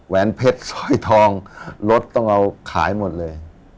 แวนเพชรสร้อยทองรถต้องเอาขายหมดเลย